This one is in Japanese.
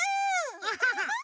アハハッ！